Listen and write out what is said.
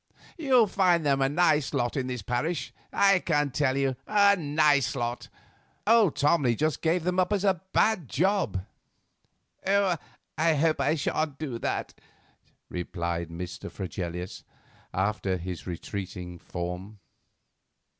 You'll find them a nice lot in this parish, I can tell you, a nice lot. Old Tomley just gave them up as a bad job." "I hope I shan't do that," replied Mr. Fregelius, after his retreating form.